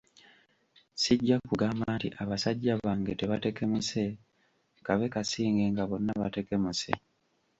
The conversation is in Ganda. Sijja kugamba nti abasajja bange tebatekemuse kabe kasinge nga bonna batekemuse.